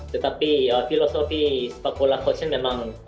saya juga menarik dari thailand